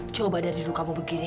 coba dari dulu kamu begini